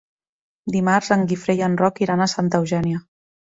Dimarts en Guifré i en Roc iran a Santa Eugènia.